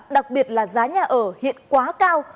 đặc biệt là giá nhà ở hiện quá cao